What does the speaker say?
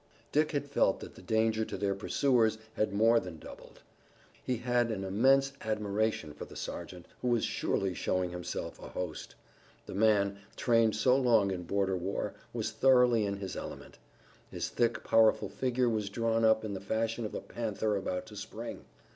Dick had felt that the danger to their pursuers had more than doubled. He had an immense admiration for the sergeant, who was surely showing himself a host. The man, trained so long in border war, was thoroughly in his element. His thick, powerful figure was drawn up in the fashion of a panther about to spring.